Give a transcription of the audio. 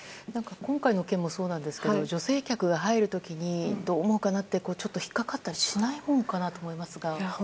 今回の件もそうですが女性客が入る時にどう思うかなって引っかかったりしないもんかなと思いますが。